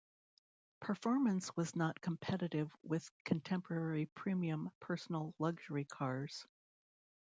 Performance was not competitive with contemporary premium personal luxury cars.